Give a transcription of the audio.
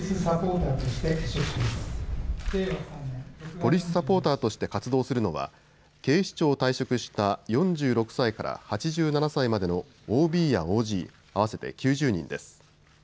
ポリスサポーターとして活動するのは警視庁を退職した４６歳から８７歳までのＯＢやＯＧ合わせて９０人です。